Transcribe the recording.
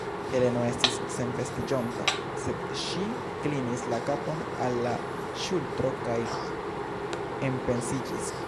Heleno estis senvestiĝonta, sed ŝi klinis la kapon al la ŝultro kaj enpensiĝis.